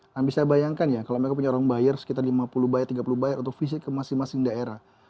nah bisa bayangkan ya kalau mereka punya orang buyer sekitar lima puluh buyer tiga puluh buyer untuk fisik ke masing masing daerah